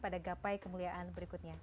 di agapai kemuliaan berikutnya